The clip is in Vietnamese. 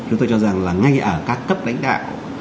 chúng ta cho rằng là ngay ở các cấp đánh đạo